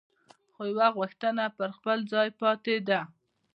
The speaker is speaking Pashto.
خو یوه غوښتنه پر خپل ځای پاتې ده.